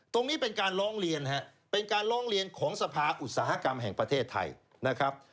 ตรงนี้เป็นการร้องเรียนฮะเป็นการร้องเรียนของสภาอุตสาหกรรมแห่งประเทศไทยนะครับ